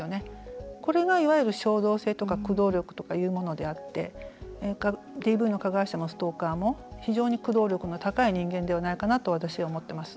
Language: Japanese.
これが衝動性とか駆動力というものであってＤＶの加害者もストーカーも非常に駆動力が高い人間ではないかなと、私は思っています。